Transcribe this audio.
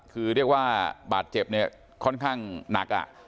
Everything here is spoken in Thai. คือเรียกว่าบาดเจ็บเนี่ยค่อนข้างหนัก